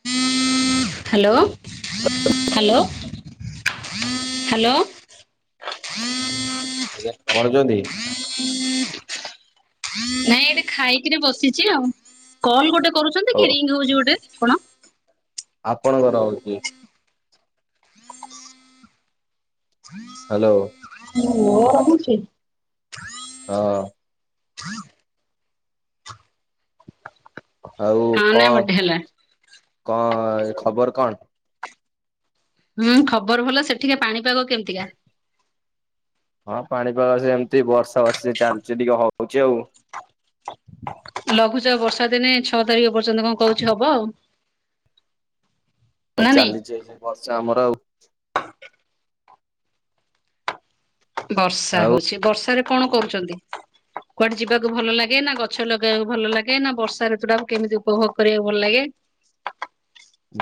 Hello, hello, hello. ଆଜ୍ଞା କଣ [unintelligible] ନାଇଁ ଏଠି ଖାଇକିରି ବସିଛି ଆଉ, କଲ୍ ଗୋଟେ କରୁଛନ୍ତି ଓ କି ରିଙ୍ଗ୍ ହଉଛି ଗୋଟେ କଣ? ଆପଣଙ୍କର ହଉଛି। ହ୍ୟାଲୋ। ମୋର ହଉଛି? ହଁ। ଆଉ ହଁ ନାଇଁ କଣ, ଗୋଟେ ହେଲା। କଣ ଖବର କଣ? ହୁଁ ଖବର ଭଲ, ସେଠିକା ପାଣିପାଗ କେମିତିକା? ହଁ ପାଣିପାଗ ସେମିତି ବର୍ଷାବର୍ଷି ଚାଲିଛି ଟିକେ ହ-ହଉଛି ଆଉ। ଲଘୁଚାପ ବର୍ଷା ଦିନେ ଛଅ ତାରିଖ ପର୍ଯ୍ୟନ୍ତ କଣ କହୁଛି ହବ ଆଉ। ଆଉ ନା ନାଇଁ? ଚାଲିଛି ଏଇ ଯେ ବର୍ଷା ଆମର ଆଉ। ବର୍ଷା ଆଉ ହଉଛି, ବର୍ଷାରେ କଣ କରୁଛନ୍ତି? କୁଆଡେ ଯିବାକୁ ଭଲ ଲାଗେ ନା ଗଛ ଲଗେଇବାକୁ ଭଲ ଲାଗେ ନା ବର୍ଷା ଋତୁଟାକୁ କେମିତି ଉପଭୋଗ କରିବାକୁ ଭଲ ଲାଗେ?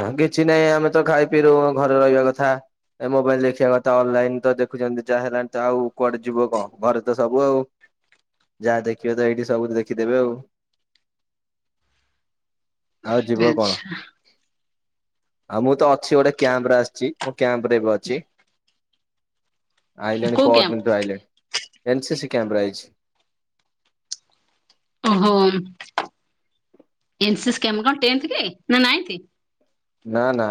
ନା କିଛି ନାହିଁ ଆମେ ତ ଖାଇପିଇ ରୁ ଘରେ ରହିବା କଥା। ଏ ମୋବାଇଲ ଦେଖିବା କଥା ଅନଲାଇନ ତ ଦେଖୁଛନ୍ତି ଯାହା ହେଲାଣି ତ ଆଉ କୁଆଡେ ଯିବ କଣ ଘରେ ତ ସବୁ ଆଉ। ଯାହା ଦେଖିବେ ତ ଏଇଠି ସବୁ ଦେଖିଦେବେ ଆଉ। ଆଉ ଯିବ ଆଚ୍ଛା କଣ। ଆଉ ମୁଁ ତ ଅଛି ଗୋଟେ କ୍ୟାମ୍ପରେ ଆସିଛି ମୁଁ କ୍ୟାମ୍ପରେ ଏବେ ଅଛି। ଆଇଲାଣି କୋଉ କ୍ୟାମ୍ପ? ପହରଦିନଠୁ ଆଇଲାଣି, ଏନ୍ ସି ସି କ୍ୟାମ୍ପରେ ଆଇଛି। ଓହୋଃ ଏନ୍ ସି ସି କ୍ୟାମ୍ପ, କଣ ଟେନ୍ଥ କି ନା ନାଇନ୍ଥ? ନା-ନା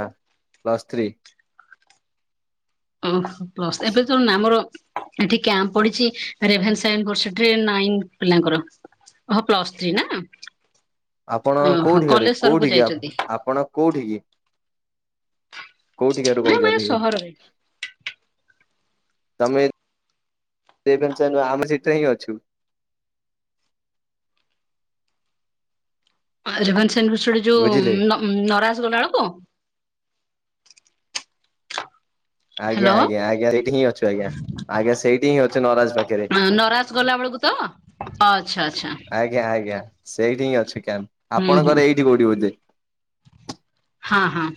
ପ୍ଲସ୍ ଥ୍ରୀ। ଓହୋ ପ୍ଲସ୍, ଏବେ [unintelligible] ଆମର ଏଠି କ୍ୟାମ୍ପ୍ ପଡିଛି ରେଭେନ୍ସା ୟୁନିଭରସିଟିରେ ନାଇନ ପିଲାଙ୍କର। ଓହୋଃ ପ୍ଲସ ଥ୍ରୀ ନା? ଆପଣ ଓହୋ କୋଉଠିକାର କଲେଜ ତରଫକୁ କୋଉଠିକି ଯାଇଛନ୍ତି ଆପଣ କୋଉଠିିକି? କୋଉଠିକାରୁ ନା ମାନେ କହୁଛନ୍ତି କି? ସହରରେ? ତମେ, ରେଭେନ୍ସା ନୁହଁ ଆମ ସେଠାହିଁ ଅଛୁ। ରେଭେନ୍ସା ୟୁନିଭରସିଟି ଯୋଉ, ବୁଝିଲେ ନରାଜ ଗଲା ବେଳକୁ? ହ୍ୟାଲୋ। ଆଜ୍ଞା-ଆଜ୍ଞା-ଆଜ୍ଞା ସେଇଠି ହିଁ ଅଛୁ ଆଜ୍ଞା, ଆଜ୍ଞା ସେଇଠି ହିଁ ଅଛୁ ନରାଜ ପାଖରେ। ଆଁ ନରାଜ ଗଲା ବେଳକୁ ତ? ଆଚ୍ଛା-ଆଚ୍ଛା। ଆଜ୍ଞା-ଆଜ୍ଞା ସେଇଠି ହିଁ ଅଛି କ୍ୟାମ୍ପ, ହୁଁ ହୁଁ। ଆପଣଙ୍କର ଏଇଠି କୋଉଠି ବୋଧେ? ହଁ- ହଁ।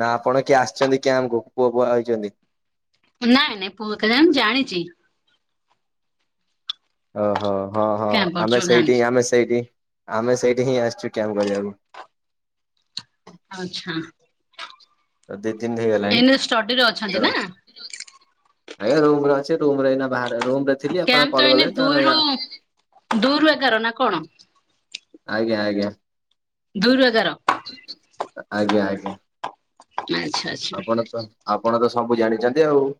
ନା ଆପଣ କିଏ ଆସିଛନ୍ତି କ୍ୟାମ୍ପକୁ, ପୁଅ ଫୁଅ ଆଇଛନ୍ତି? ନାଇଁ-ନାଇଁ ପୁଅ [unintelligible] ମୁଁ ଜାଣିଛି। ଓହୋଃ, ହଁ-ହଁ କ୍ୟାମ୍ପ ପଡିଛି ଆମେ ବୋଲି ଜାଣିଛି। ସେଇଠି-ଆମେ ସେଇଠି-ଆମେ ସେଇଠି ହିଁ ଆସିଛୁ କ୍ୟାମ୍ପ କରିବାକୁ। ଆଚ୍ଛା। ଅସଦି ତିନି ହେଲାଣି ଏଇନେ ଷ୍ଟଡିରେ ଅଛନ୍ତି ହଁ। ନା? ଆଜ୍ଞା ରୁମରେ ଅଛି, ରୁମରେ ଏଇନା ବାହାରେ, ରୁମରେ ଥିଲି କ୍ୟାମ୍ପ ଆପଣ ତ କଲ୍ ଏଇନେ କଲେ ତା ଦୁଇରୁ ପରେ ଆ ଦୁଇରୁ ଏଗାର ନା କଣ? ଆଜ୍ଞା ଆଜ୍ଞା। ଦୁଇ ରୁ ଏଗାର। ଆଜ୍ଞା ଆଜ୍ଞା। ଆଚ୍ଛା ଆଚ୍ଛା। ଆପଣ ତ ଆପଣ ତ ସବୁ ଜାଣିଛନ୍ତି ଆଉ।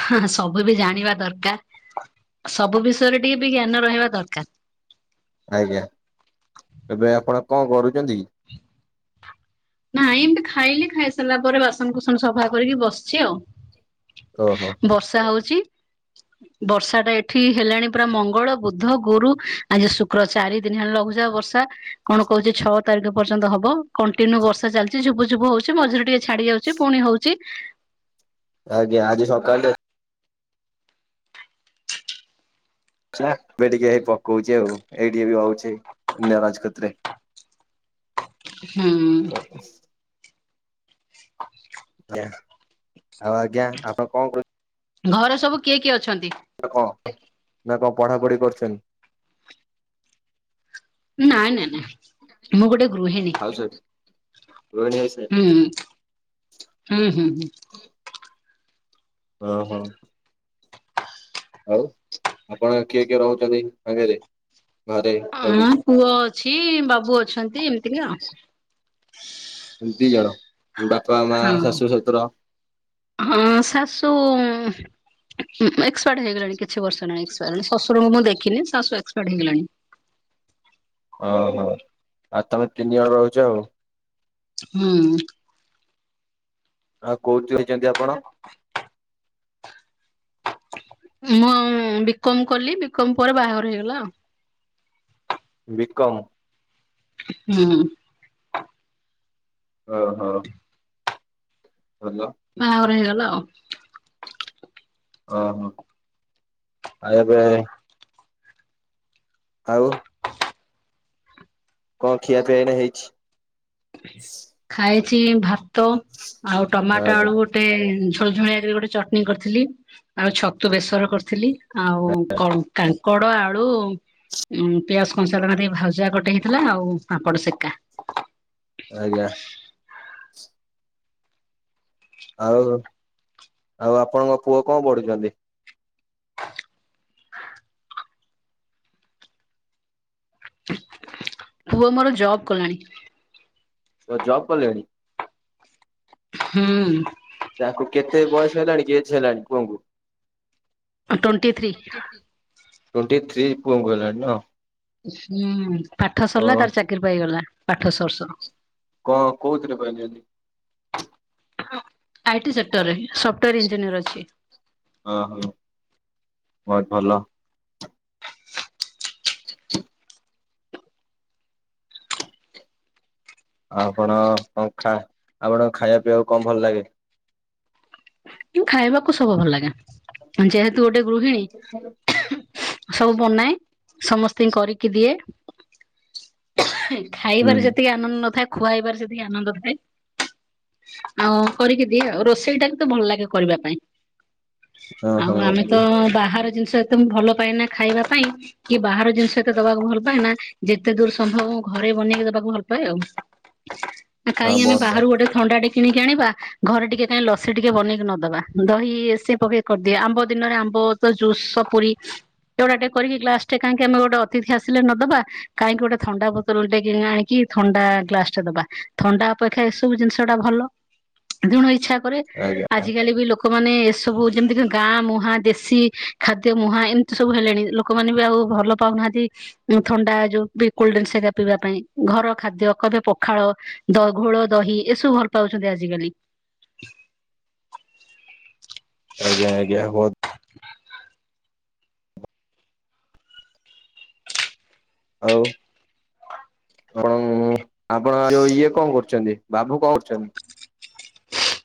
[unintelligible] ସବୁ ବି ଜାଣିବା ଦରକାର ସବୁ ବିଷୟରେ ଟିକେ ବି ଜ୍ଞାନ ରହିବା ଦରକାର। ଆଜ୍ଞା ଏବେ ଆପଣ କଣ କରୁଚନ୍ତି? ନାଇଁ ଏମିତି ଖାଇଲି ଖାଇସାରିଲା ପରେ ବାସନକୁସନ ସଫା କରିକି ବସିଛି ଆଉ। ଓହୋ। ବର୍ଷା ହଉଛି। ବର୍ଷା ଟା ଏଠି ହେଲାଣି ପୁରା ମଙ୍ଗଳ ବୁଦ୍ଧ ଗୁରୁ ଆଯି ଶୁକ୍ର ଚାରି ଦିନ ହେଲେ ଲଘୁଚାପ ବର୍ଷା କଣ କହୁଛି ଛଅ ତାରିଖ ପର୍ଯ୍ୟନ୍ତ ହବ କଣ୍ଟିନ୍ୟୁ ବର୍ଷ ଚାଲିଛି ଝୁପୁ ଝୁପୁ ହଉଛି ମଝିରେ ଟିକେ ଛାଡ଼ି ଯାଉଛି ପୁଣି ହଉଛି। ଆଜ୍ଞା ଆଜି ସକାଳେ ଟା ନା ଏବେ ଟିକେ ହେଇ ପକଉଛି ଆଉ ଏଇ ଟିକେ ବି ହଉଛି ନରାଜକତିରେ। ହୁଁ। [inaudible] ଆଉ ଆଜ୍ଞା ଆପଣ କଣ କରୁ ଘଅରେ ସବୁ କିଏ କିଏ ଅଛନ୍ତି? ନା କଣ ନା କଣ ପଢ଼ାପଢ଼ି କରୁଛନ୍ତି? ନାଇଁ ନାଇଁ ନାଇଁ ମୁଁ ଗୋଟେ ଗୃହିଣୀ। ଗୋଣେଶ। ହୁଁ ହୁଁ ହୁଁ ହୁଁ। ଓ ହୋ। ଆଉ ଆପଣ କିଏ କିଏ ରହୁଛନ୍ତି ସାଙ୍ଗରେ ଘରେ କଉଡ଼ି? ହଁ ପୁଅ ଅଛି ବାବୁ ଅଛନ୍ତି ଏମିତି କି ଆଉ ଦି ଜଣ ବାପା ମା ହଁ। ଶାଶୁ ଶଶୁର। ହଁ ଶାଶୁ ଉଁ ଏକ୍ସପାର୍ଟ ହେଇଗଲାଣି କିଛି ବର୍ଷହେଲାଣି ଅସ୍ ଶଶୁରଙ୍କୁ ମୁଁ ଦେଖିନି ଶାଶୁ ଏକ୍ପପାର୍ଡ ହେଇଗଲେଣି। ଓହୋ ଆଉ ତମେ ତିନି ଜଣ ରହୁଛ ଆଉ। ହୁଁ। ଆଉ କୋଉଠି ରହିଛନ୍ତି ଆପଣ? ମୁଁ ଆଉ ବିକମ୍ କଲି ବିକମ୍ ପରେ ବାହାଘର ହେଇଗଲା। ବିକମ୍ ହୁଁ। ଓ ହୋ। ହାଲୋ ବାହାଘର ହେଇଗଲା ଆଉ। ଓ ହୋ [unintelligible] ଆଉ କଣ ଖିଆ ପିଆଏଇନା ହେଇଛି? ଖାଇଛି ଭାତ ଆଉ ଟମାଟ ଆଜ୍ଞା ଆଳୁ ଗୋ ଟେ ଝୋଳଝୁଳିଆ କୀରୀ ଗୋଟେ ଚଟଣି କରିଥିଲି। ଆଉ ଛତୁ ବେସର କରିଥିଲି ଆଉ କ କାଙ୍କଡ଼ ଆଳୁ ଉଁ ପିଆଜ କଞ୍ଚାଲଙ୍କା ଟିକେ ଭାଉଜୁଆ ଗଟେ ହେଇଥିଲା ଆଉ ପାମ୍ପଡ଼ ସେକା। ଆଜ୍ଞା। ଆଉ, ଆଉ ଆପଣଙ୍କ ପୁଅ କଣ ପଢୁଛନ୍ତି? ପୁଅ ମୋର ଜବ୍ କଲାଣି। ଓ ଜବ୍ କଲେଣି! ହୁଁ। ତାକୁ କେତେ ବୟସ ହେଲାଣି କି ଏଜ୍ ହେଲାଣି ପୁଅଙ୍କୁ? Twenty three. ଟୋଣ୍ଟି ଥ୍ରୀ ପୁଅଙ୍କୁ ହେଲାଣି ନୁହଁ। ହୁଁ ପାଠ ସରିଲା ତାର ଚାକିରି ପାଇଗଲା ପାଠ ସରୁ ସରୁ। କଣ କୋଉଥିରେ ପାଇଛନ୍ତି? ଆଟି ସେକ୍ଟର ରେ ସଫ୍ଟାର ଇଞ୍ଜିନିୟର ଅଛି। ଓହୋ, ବହୁତ୍ ଭଲ। [inaudible] ଆଉ କଣ ଆପଣ ଖାଇବା ପିଇବାକୁ କଣ ଭଲ ଲାଗେ? ଖାଇବାକୁ ସବୁ ଭଲ ଲାଗେ। ଯେହେତୁ ଗୋଟେ ଗୃହିଣୀ ସବୁ ବନାଏ ସମସ୍ତିଙ୍କି କରିକି ଦିଏ। ହୁଁ ଖାଇବାରେ ଯେତିକି ଆନନ୍ଦ ନଥାଏ, ଖୁଆଇବାରେ ସେତିକି ଆନନ୍ଦ ଥାଏ। ଆଉ କରିକି ଦିଏ ଆଉ। ରୋଷେଇ ଟାକୁ ତ ଭଲ ଲାଗେ କରିବା ପାଇଁ। ଓହୋ ଆଉ ଆମେ ତ ହଁ ବାହାର ଜିନିଷ ଏ ତ ମୁଁ ଭଲ ପାଏନା ଖାଇବା ପାଇଁ କି ବାହାର ଜିନିଷ ଏତେ ଦବାକୁ ଭଲ ପାଏନା। ଯେ ଯେତେ ଦୂର ସମ୍ଭବ ଘରେ ବନେଇକି ଦେବାକୁ ଭଲ ପାଏ ଆଉ। କାହିଁକି ଆମେ ବହୁତ ଭଲ ବାହାରୁ ଗୋଟେ ଥଣ୍ଡାଟେ କିଣିକି ଆଣିବା ଘରେ ଟିକେ କାହିଁ ଲସି ଟିକେ ବନେଇକି ନଦବା? ଦହି ଇଏ ସେ ପକେଇ କରିଦି ଆମ୍ବ ଦିନରେ ଆମ୍ବ ଜୁସ ସପୁରୀ ଏଗୁଡ଼ା ଟେ କରିକି ଗ୍ଲାସଟେ କାହିଁକି ଆମେ ଗୋଟେ ଅତିଥି ଆସିଲେ ନଦବା? କାହିଁକି ଗୋଟେ ଥଣ୍ଡା ବୋତଲ ଟେ ଆଣିକି ଥଣ୍ଡା ଗ୍ଲାସ ଟେ ଦବା? ଥଣ୍ଡା ଅପେକ୍ଷା ଏସବୁ ଜିନିଷ ଟା ଭଲ। ତେଣୁ ଇଛା କରେ। ଆଜ୍ଞା ଆଜି କାଲି ବି ଲୋକ କ ମାନ ଏସବୁ ଯେମିତି ଗାଁ ମୁହାଁ, ଦେଶୀ ଖାଦ୍ୟ ମୁହାଁ, ଏମିତି ସବୁ ହେଲେଣି ଲୋକମାନେ ବି ଆଉ ଭଲ ପାଉନାହାନ୍ତି ଥଣ୍ଡା ଯୋଉ କୋଲ ଡ୍ରିଙ୍କସ୍ ହେରା ପିଇବା ପାଇଁ। ଘର ଖାଦ୍ୟ କବେ ପଖାଳ ଦ ଘୋଳ ଦହି ଏସବୁ ଭଲ ପାଉଛନ୍ତି ଆଜିକାଲି। ଆଜ୍ଞା ଆଜ୍ଞା ବହୁତ୍ [inaudible] ଆଉ ଅରଙ୍ଗ ଆପଣ ଯୁ ଇଏ କଣ କରୁଛନ୍ତି? ବାବୁ କଣ କରୁଚନ୍ତି? [inaudible]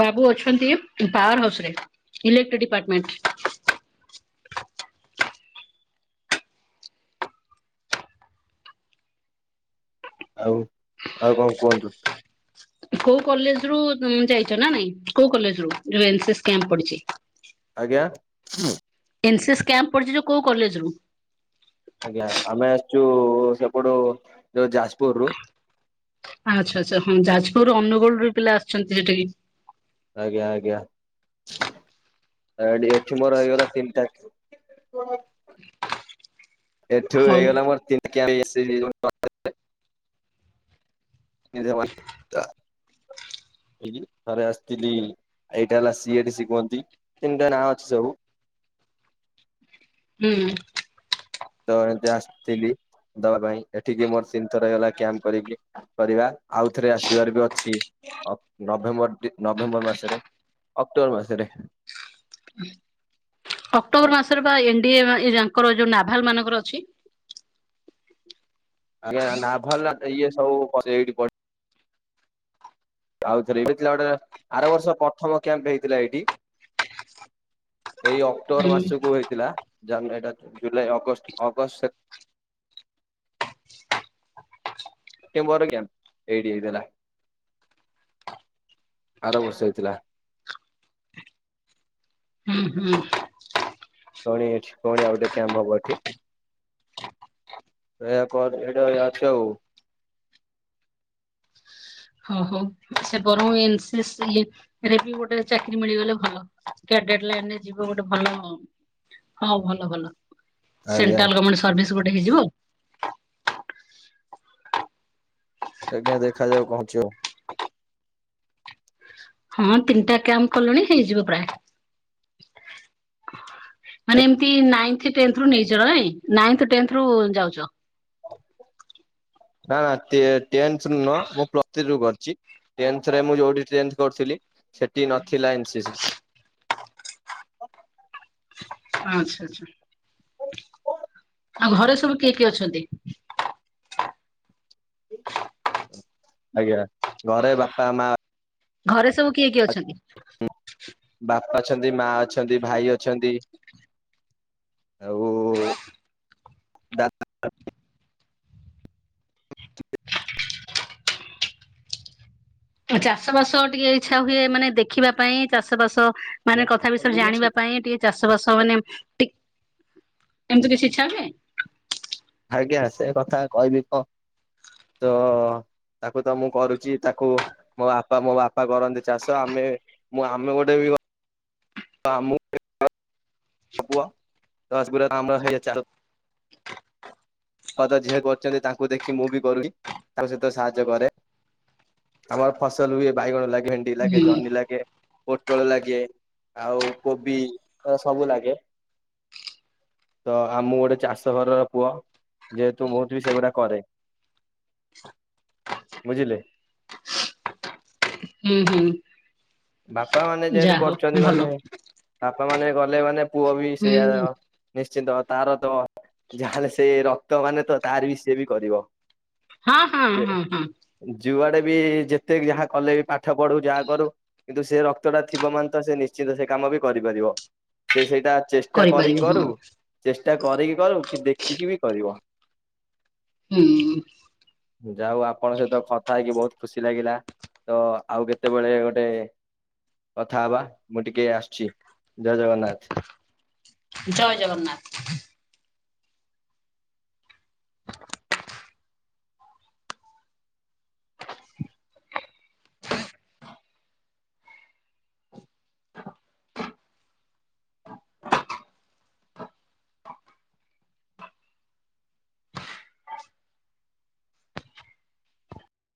ବାବୁ ଅଛନ୍ତି ପାୱାର ହାଉସ୍ ରେ ଇଲେକ୍ଟ୍ରି ଡିପାର୍ଟମେଣ୍ଟ। ଆଉ ଆଉ କଣ କୁହନ୍ତୁ। କୋଉ କଲେଜ ରୁ ଯାଇଚନା ନାଇଁ କୋଉ କଲେଜ ରୁ ଯୋଉ ଏନ ସି ସି କ୍ୟାମ୍ପ ପଡି଼ଚି। ଆଜ୍ଞା। ଏନ୍ ସେ ସ୍ କ୍ୟାମ୍ପ ପଡି଼ଚି ଯୋଉ କଲେଜ ରୁ? ଆଜ୍ଞା ଆମେ ଆସିଚୁ ସେପଟୁ ଯୋଉ ଯାଜପୁରରୁୁ। ଆଚ୍ଛା ଆଛା ହଁ ଯାଜପୁର ଅନୁଗୋଳ ର ପିଲା ଆସଚନ୍ତି ସେଠିକି। ଆଜ୍ଞା ଆଜ୍ଞା। ଏଠି ମୋର ହେଇଗଲା ତିନିଟା ଏଠୁ ହଉ ହେଇଗଲା ମୋର [unintelligible] [unintelligible] ଏଇ ଥରେ ଆସିଥିଲି ଏଇଟା ହେଲା ସିଏଡ କୁହନ୍ତି ତିନିଟା ନାଁ ଅଛି ସବୁ। ହୁଁ। ତ ଏମିତି ଆସିଥିଲି ଦବା ପାଇଁ ଏଠିକି ମୋର ତିନି ଥର ହେଇଗଲା କ୍ୟାମ୍ପ କରିକି। କରିବା ଆଉଥରେ ଆସିବାର ବି ଅଛି ଅକ୍ ନଭେମ୍ବର ଡି ନଭେମ୍ବର ମାସରେ। ଅକ୍ଟୋବର ମାସରେ। ଅକ୍ଟୋବର ମାସରେ ବା ଏନ୍ଡିଏ ଆଙ୍କର ଯୋଉ ନାଭାଲ ମାନଙ୍କର ଅଛି। ଆଜ୍ଞା ନାଭାଲ ଇଏ ସବୁ ଏଇଠି ପଢି ଆଉ ଥରେ ଏବେ ଥିଲା ଗୋଟେ ଆର ବର୍ଷ ପ୍ରଥମ କ୍ୟାମ୍ପ ହେଇଥିଲା ଏଇଠି। ଏଇ ଅକ୍ଟୋବର ହୁଁ ମାସକୁ ହେଇଥିଲା ଜାନୁ ଏଇଟା ଜୁଲାଇ, ଅଗଷ୍ଟ, ଅଗଷ୍ଟ, ସେପ୍ଟେ ସେପ୍ଟେମ୍ବର କ୍ୟାମ୍ପ ଏଇଠି ହେଇଥିଲା ଆର ବର୍ଷ ହେଇଥିଲା। ହୁଁ ହୁଁ। ପୁଣି ଏଠି ପୁଣି ଆଉ ଗୋଟେ କ୍ୟାମ୍ପ ହବ ଏଠି। ଏଇଆ କ ଏଇଟା ଅଛି ଆଉ ହଁ ହଉ ସେ ବରଂ ଏନ, ସି, ସି ଲିପ ଏରା ବି ଗୋଟେ ଚାକିରି ମିଳିଗଲେ ଭଲ କ୍ୟାଡ଼େଟ ଲାଇନରେ ଯିବ ଗୋଟେ ଭଲ ଅ ହଁ ଭଲ ଭଲ ଆଜ୍ଞା। ସେଣ୍ଟ୍ରାଲ ଗମେଣ୍ଟ ସର୍ଭିସ ଗୋଟେ ହେଇଯିବ। ଆଜ୍ଞା ଦେଖାଯାଉ କଣ ହଉଛି ଆଉ ହଁ ତିନିଟା କ୍ୟାମ୍ପ କଲୁଣି ହେଇଯିବ ପ୍ରାୟ। ମାନେ ଏମିତି ନାଇଁଥି, ଟେନଥେ ରୁ ନେଇଛ କାଳେ ନାଇଁଥି ଟେଏଥେ ରୁ ଯାଉଛ। ନା ନା ଟେନଥରୁ ନୁହଁ ମୁଁ ପ୍ଲସ ଥି ରୁ କରିଛି। ଟେନ୍ଥରେ ମୁଁ ଯୋଉଠି ଟେନ୍ଥ କରୁଥିଲି ସେଠି ନଥିଲା ଏନସିସି। ଆଚ୍ଛା ଆଚ୍ଛା। ଆଉ ଘରେ ସବୁ କିଏ କିଏ ଅଛନ୍ତି? [unintelligible] ଆଜ୍ଞା ଘରେ ବାପା, ମା ଘରେ ସବୁ କିଏ କିଏ ଅଛନ୍ତି? ବାପା ଅଛନ୍ତି ମା ଅଛନ୍ତି ଭାଇ ଅଛନ୍ତି। ଆଉ ଦାଦା [unintelligible] ଚାଷ ବାସ ଟିକେ ଇଚ୍ଛା ହୁଏ ମାନେ ଦେଖିବା ପାଇଁ ଚାଷ ବାସ ମାନେ କଥା ବିଷୟରେ କଲିନ ଅଛି? ଜାଣିବା ପାଇଁ ଟିକେ ଚାଷ ବାସ ମାନେ ଟି ଏମିତି କିଛି ଇଛା ହୁଏ। ଆଜ୍ଞା ସେ କଥା କହିବି କଣ ତ ତାକୁ ତ ମୁଁ କରୁଛି ତାକୁ ମୋ ବାପା ମୋ ବାପା କରନ୍ତି ଚାଷ ଆମେ ମୁଁ ଆମେ ଗୋଟେ ବି [inaudible] କଥା ଜିଏ କରୁଛନ୍ତି ତାଙ୍କୁ ଦେଖି ମୁଁ ବି କରିବି ତାଙ୍କ ସହିତ ସାହାଯ୍ୟ କରେ। ଆମର ଫସଲ ହୁଏ ବାଇଗଣ ଲାଗେ ଭେଣ୍ଡି ଲାଗେ ହୁଁ ଜହ୍ନି ଲାଗେ। ପୋଟଳ ଲାଗେ ଆଉ କୋବି ସବୁ ଲାଗେ। ତ ମୁଁ ଗୋଟେ ଚାଷ ଘରର ପୁଅ। ଯେହେତୁ ମୁଁ ବି ସେଗୁଡା କରେ ବୁଝିଲେ? ହୁଁ ହୁଁ। ବାପା ମାନେ ଯେହେତୁ ଯାହା ହଉ କରୁଛନ୍ତି ଭଲ। ମାନେ ବାପା ମାନେ ଗଲେ ମାନେ ପୁଅ ବି ହୁଁ ସେଇଆ ନିଶ୍ଚିନ୍ତ ତାର ତ ଯାଲେ ସେ ରକ୍ତ ମାନେ ତ ତାର ବି ସେବି କରିବ। ହଁ ହଁ ଯେ ହଁ ହଁ ଯୁଆଡେ ବି ଯେତେ ଯାହା କଲେ ପାଠ ପଢୁ ଯାହା କରୁ କିନ୍ତୁ ସେ ରକ୍ତଟା ଥିବ ମାନେ ତ ସେ ନିଶ୍ଚିନ୍ତ ସେ କାମ ବି କରିପାରିବ ସେ ସେଇଟା ଚେଷ୍ଟ ଚେଷ୍ଟା କରିପାରିବ କରିକି ହଁ କରୁ ଚେଷ୍ଟା କରିକି କରୁ କି ଦେଖିକି ବି କରିବ ହୁଁ ଯାହା ହଉ ଆପଣଙ୍କ ସହିତ କଥା ହେଇକି ବହୁତ ଖୁସି ଲାଗିଲା ତ ଆଉ କେତେବେଳେ ଗୋ ଗୋଟେ କଥା ହବା ମୁଁ ଟିକେ ଆସୁଛି ଜୟ ଜଗନ୍ନାଥ ଜୟ ଜଗନ୍ନାଥ!